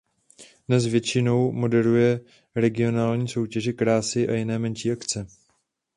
Dnes většinou moderuje regionální soutěže krásy a jiné menší akce.